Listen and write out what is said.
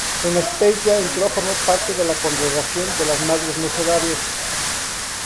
En Azpeitia entró a formar parte de la congregación de las Madres Mercedarias.